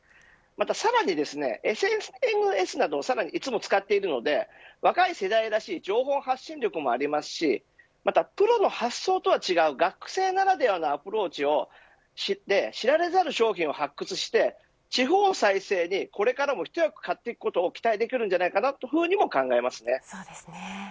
またさらにＳＮＳなどいつも使っているので若い世代らしい情報発信力もありますしまたプロの発想とは違う学生ならではのアプローチを知られざる商品を発掘して地方再生にこれからも一役買っていくことに期待できると考えます。